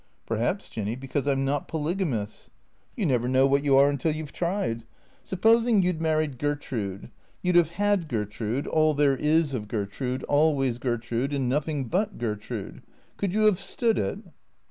" Perhaps, Jinny, because I 'm not polygamous." " You never know what you are until you ^re tried. Suppos ing you 'd married Gertrude — you 'd have had Gertrude, all there is of Gertrude, always Gertrude, and nothing but Gertrude. Could you have stood it?"